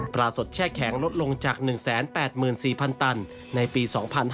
สดแช่แข็งลดลงจาก๑๘๔๐๐ตันในปี๒๕๕๙